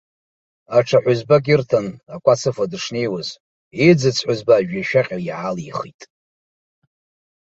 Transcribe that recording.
Аҽа ҳәызбак ирҭан, акәац ыфо дышнеиуаз, иӡыз иаҳәызба ажәҩашәаҟьа иаалихит.